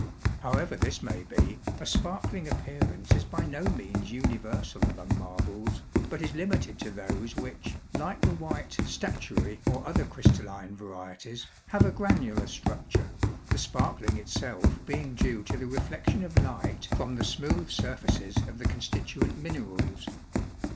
However this may be, a sparkling appearance is by no means universal among marbles, but is limited to those which, like the white statuary or other crystalline varieties, have a granular structure, the sparkling itself being due to the reflection of light from the smooth surfaces of the constituent minerals.